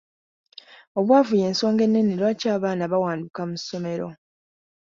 Obwavu y'ensonga ennene lwaki abaana bawanduka mu ssomero.